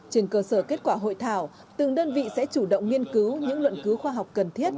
trên cơ sở kết quả hội thảo từng đơn vị sẽ chủ động nghiên cứu những luận cứu khoa học cần thiết